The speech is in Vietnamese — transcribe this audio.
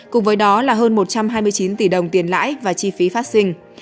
cùng với đó là hơn một trăm hai mươi chín tỷ đồng tiền lãi và chi phí phát sinh